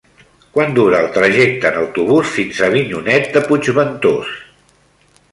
Quant dura el trajecte en autobús fins a Avinyonet de Puigventós?